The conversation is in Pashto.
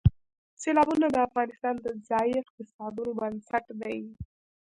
سیلابونه د افغانستان د ځایي اقتصادونو بنسټ دی.